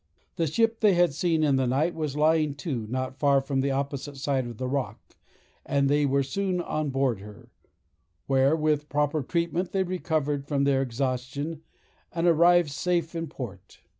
The ship they had seen in the night was lying to not far from the opposite side of the rock, and they were soon on board of her, where, with proper treatment, they recovered from their exhaustion, and arrived safe in port.